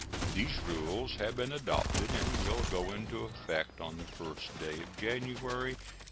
These rules have been adopted and will go into effect on the 1st day of January, 1872.